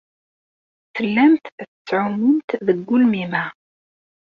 Tellamt tettɛumumt deg ugelmim-a.